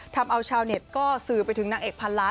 ทำเอาชาวเน็ตก็สื่อไปถึงนางเอกพันล้าน